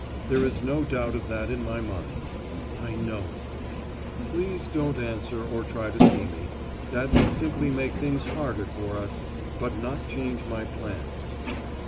There is no doubt of that in my mind. I know it._ _Please don't answer or try to see me. That would simply make things harder for us, but not change my plans.